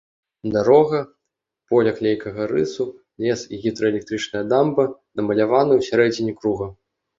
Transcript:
Дарога, поля клейкага рысу, лес і гідраэлектрычная дамба намаляваны ў сярэдзіне круга.